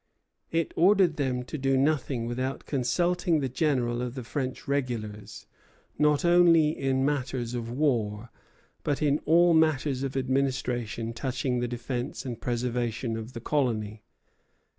It ordered them to do nothing without consulting the general of the French regulars, not only in matters of war, but in all matters of administration touching the defence and preservation of the colony.